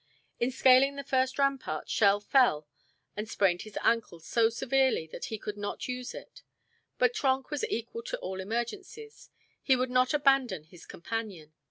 In scaling the first rampart, Schell fell and sprained his ankle so severely that he could not use it. But Trenck was equal to all emergencies. He would not abandon his companion.